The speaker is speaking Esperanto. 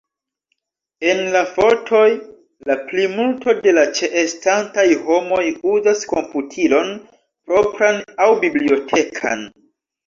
En la fotoj, la plimulto de la ĉeestantaj homoj uzas komputilon propran aŭ bibliotekan.